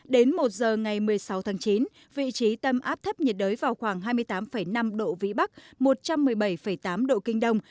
đến một giờ ngày một mươi sáu tháng chín vị trí tâm áp thấp nhiệt đới vào khoảng hai mươi tám năm độ vĩ bắc một trăm một mươi bảy tám độ kinh đông